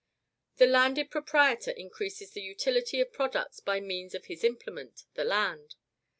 "The landed proprietor increases the utility of products by means of his implement, the land.